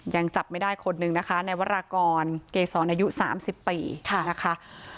ยังจับไม่ได้คนหนึ่งนะคะในวัตรากรเกศรอายุสามสิบปีค่ะนะคะ